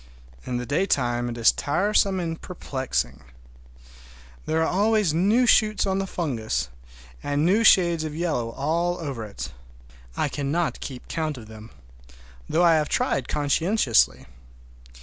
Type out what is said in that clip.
In the daytime it is tiresome and perplexing. There are always new shoots on the fungus, and new shades of yellow all over it. I cannot keep count of them, though I have tried conscientiously.